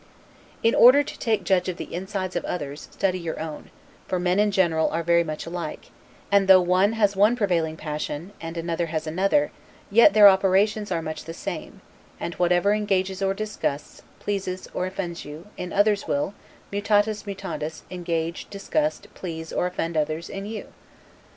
In order to judge of the inside of others, study your own; for men in general are very much alike; and though one has one prevailing passion, and another has another, yet their operations are much the same; and whatever engages or disgusts, pleases or offends you, in others will, 'mutatis mutandis', engage, disgust, please, or offend others, in you.